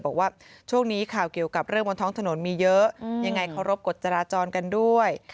บอกว่าช่วงนี้ข่าวเกี่ยวกับเรื่องบนท้องถนนมีเยอะยังไงเคารพกฎจราจรกันด้วย